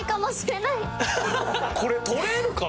これ取れるかな？